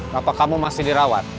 bapak kamu masih dirawat